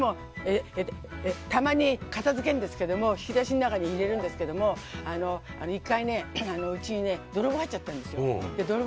たまに片づけるんですけど引き出しの中に入れるんですけども１回、うちに泥棒が入っちゃったんですよ。